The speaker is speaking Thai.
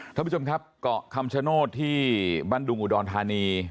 ท่านผู้ชมครับเกาะคำชโนธที่บ้านดุงอุดรธานี